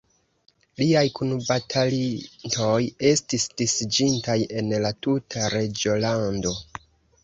Liaj kunbatalintoj estis disiĝintaj en la tuta reĝolando.